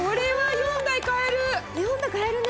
４台買えるね。